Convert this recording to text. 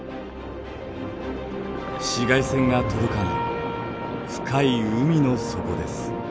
紫外線が届かない深い海の底です。